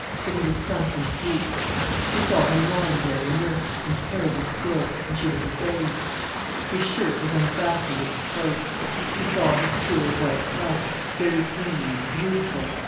But he was sunk in sleep. She saw him lying there inert, and terribly still, and she was afraid. His shirt was unfastened at the throat. She saw his pure white flesh, very clean and beautiful.